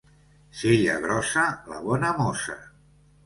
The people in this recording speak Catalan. Cella grossa, la bona mossa.